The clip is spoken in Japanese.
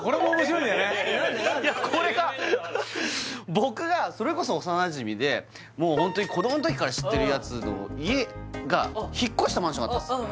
いやこれが僕がそれこそ幼なじみでホントに子供の時から知ってるやつの家が引っ越したマンションだったんです